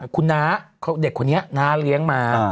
คุณน้าเด็กคนนี้น้าเลี้ยงมา